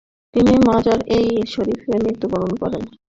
তিনি মাজার-ই-শরিফে মৃত্যুবরণ করেন।